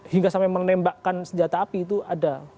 hingga sampai menembakkan senjata api itu ada